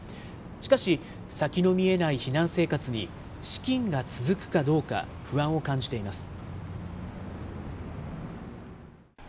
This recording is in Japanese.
しかし、先の見えない避難生活に、資金が続くかどうか、不安を感じています。